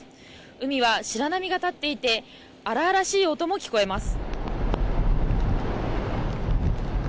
海は白波が立っていて荒々しい音も聞こえます。